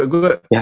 ya itulah pokoknya